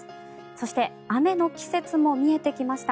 そして雨の季節も見えてきました。